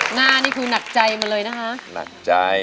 หน้านี้คือนักใจมันเลยนะคะ